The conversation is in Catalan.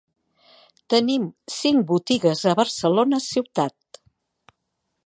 Tenim cinc botigues a Barcelona ciutat.